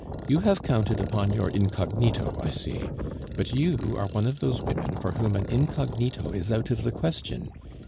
You have counted upon your incognito, I see, but you are one of those women for whom an incognito is out of the question.